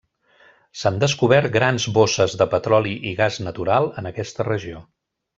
S'han descobert grans bosses de petroli i gas natural en aquesta regió.